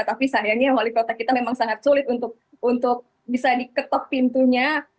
tapi sayangnya wali kota kita memang sangat sulit untuk bisa diketok pintunya